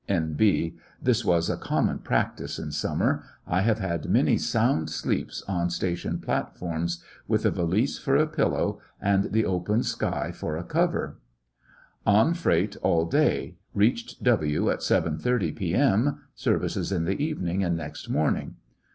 (N.B. This was a common practice in summer. I have had many sound sleeps on station plat forms, with a valise for a pillow and the open 76 ]}/lissionarY in t^ Great West sky for a cover,) On freight all day. Eeached W at 7 : 30 p.m. Services in the evening and next morning.